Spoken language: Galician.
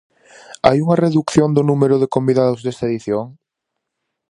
Hai unha redución do número de convidados desta edición?